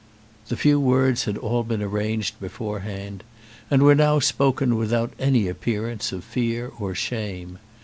The few words had been all arranged beforehand, and were now spoken without any appearance of fear or shame.